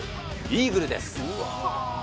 イーグルです。